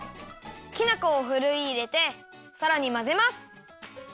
きな粉をふるいいれてさらにまぜます。